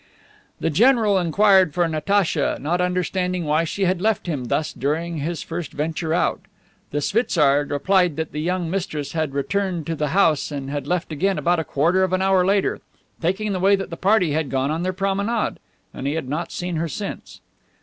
The general inquired for Natacha, not understanding why she had left him thus during his first venture out. The schwitzar replied that the young mistress had returned to the house and had left again about a quarter of an hour later, taking the way that the party had gone on their promenade, and he had not seen her since.